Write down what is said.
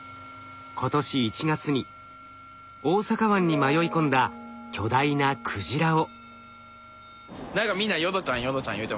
今年１月に大阪湾に迷い込んだ巨大なクジラを。